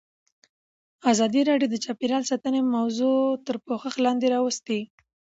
ازادي راډیو د چاپیریال ساتنه موضوع تر پوښښ لاندې راوستې.